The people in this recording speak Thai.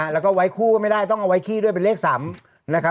แล้วก็ไว้คู่ก็ไม่ได้ต้องเอาไว้ขี้ด้วยเป็นเลข๓นะครับ